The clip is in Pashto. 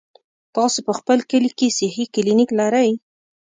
تاسې په خپل کلي کې صحي کلينيک لرئ؟